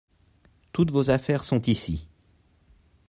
Toutes vos affaires sont ici.